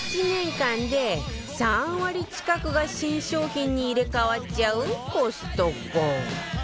１年間で３割近くが新商品に入れ替わっちゃうコストコ